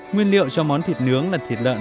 nguyên liệu cho món thịt nướng là thịt lợn